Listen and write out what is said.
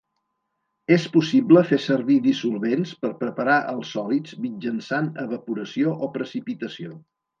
És possible fer servir dissolvents per preparar els sòlids mitjançant evaporació o precipitació.